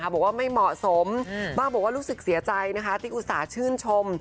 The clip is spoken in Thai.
บอกว่าไม่เหมาะสมบ้างบอกว่ารู้สึกเสียใจที่อุตส่าห์ชื่นชม